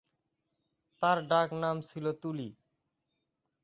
তার ডাকনাম ছিল তুলি।